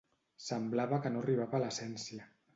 Semblava que no arribava a l"essència.